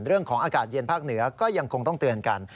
เรื่องของอากาศเย็นภาคเหนือก็ยังคงต้องเตือนกัน